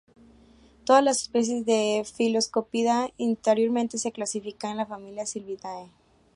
Todas las especies de Phylloscopidae anteriormente se clasificaban en la familia Sylviidae.